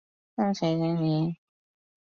三陲黑岭。